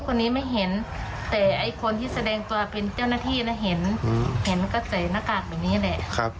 แต่ไอ้คนที่แสดงตัวเป็นเจ้าหน้าที่นะเห็นเห็นก็ใส่หน้ากากแบบนี้แหละครับ